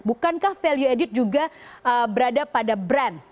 bukankah value added juga berada pada brand